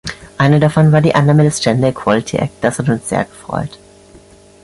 Eine davon war die Annahme des gender equality act, das hat uns sehr gefreut.